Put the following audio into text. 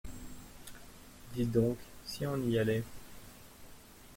Dites donc, si on y allait ?